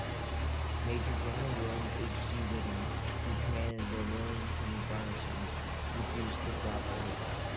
Major General William H. C. Whiting, who commanded the Wilmington garrison, refused to cooperate.